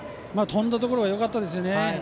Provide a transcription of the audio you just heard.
飛んだところがよかったですよね。